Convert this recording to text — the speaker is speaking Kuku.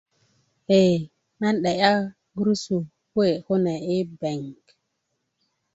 e nan 'de'ya gurusu kuwe' kune yi beŋ